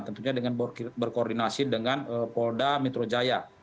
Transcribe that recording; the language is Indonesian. tentunya dengan berkoordinasi dengan polda metro jaya